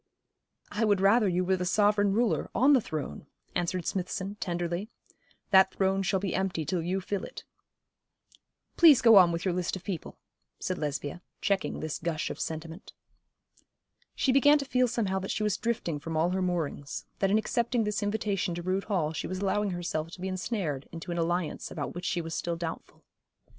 'I would rather you were the sovereign ruler, on the throne,' answered Smithson, tenderly. 'That throne shall be empty till you fill it.' 'Please go on with your list of people,' said Lesbia, checking this gush of sentiment. She began to feel somehow that she was drifting from all her moorings, that in accepting this invitation to Rood Hall she was allowing herself to be ensnared into an alliance about which she was still doubtful.